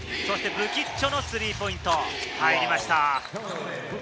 ブキッチョのスリーポイント、入りました。